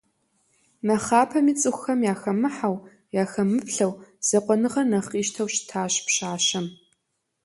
Нэхъапэми цӏыхухэм яхэмыхьэу, яхэмыплъэу, закъуэныгъэр нэхъ къищтэу щытат пщащэм.